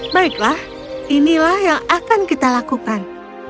baiklah inilah yang akan kita lakukan